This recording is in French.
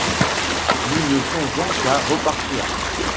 Nous ne songeons qu’à repartir.